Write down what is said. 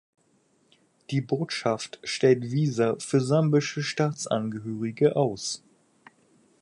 Die Botschaft stellt Visa für sambische Staatsangehörige aus.